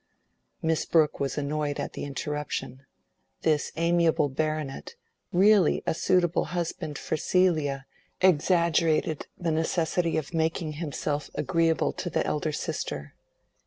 Miss Brooke was annoyed at the interruption. This amiable baronet, really a suitable husband for Celia, exaggerated the necessity of making himself agreeable to the elder sister.